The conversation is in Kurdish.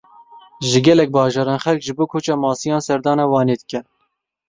Ji gelek bajaran xelk ji bo koça masiyan serdana Wanê dike.